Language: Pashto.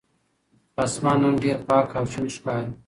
آسمان نن ډېر پاک او شین ښکاري.